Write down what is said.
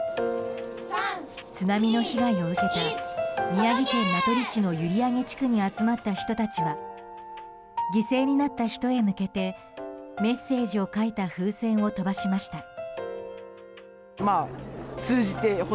津波の被害を受けた宮城県名取市の閖上地区に集まった人たちは犠牲になった人へ向けてメッセージを書いた風船を飛ばしました。